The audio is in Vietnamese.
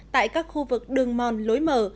tại các khu vực đường mòn lối mở